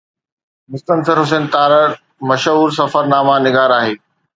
مستنصر حسين تارڙ مشهور سفرناما نگار آهي